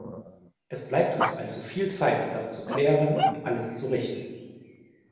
Es bleibt uns also viel Zeit, das zu klären und alles zu richten.